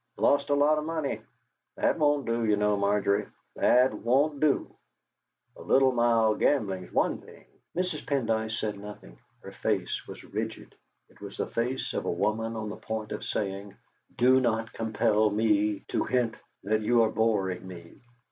"Lost a lot of money. That won't do, you know, Margery that won't do. A little mild gambling's one thing." Mrs. Pendyce said nothing; her face was rigid: It was the face of a woman on the point of saying: "Do not compel me to hint that you are boring me!"